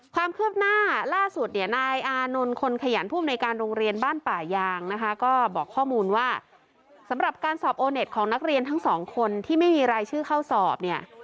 ความคืบหน้าล่าสุดเนี่ยนายอานนท์คนขยันผู้อำนวยการโรงเรียนบ้านป่ายางนะคะก็บอกข้อมูลว่าสำหรับการสอบโอเน็ตของนักเรียนทั้งสองคนที่ไม่มีรายชื่อเข้าสอบเนี่ย